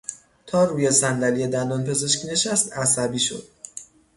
تا روی صندلی دندانپزشک نشست، عصبی شد.